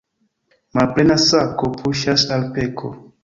Malplena sako puŝas al peko.